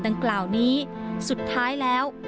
ดังกล่าวนี้สุดท้ายแล้ว